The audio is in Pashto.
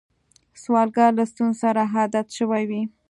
سوالګر له ستونزو سره عادت شوی وي